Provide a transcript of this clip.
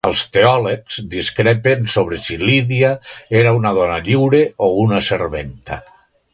Els teòlegs discrepen sobre si Lídia era una dona lliure o una serventa.